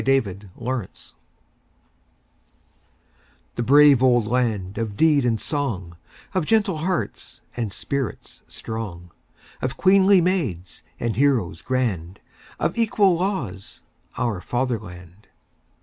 Fatherland THE BRAVE old land of deed and song, Of gentle hearts and spirits strong, Of queenly maids and heroes grand, Of equal laws,—our Fatherland!